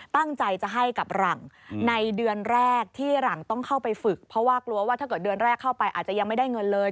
ตั้งใจจะให้กับหลังในเดือนแรกที่หลังต้องเข้าไปฝึกเพราะว่ากลัวว่าถ้าเกิดเดือนแรกเข้าไปอาจจะยังไม่ได้เงินเลย